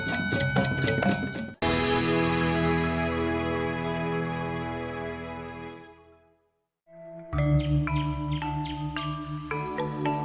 yang berbaloi kepada restri been banjir inisiatif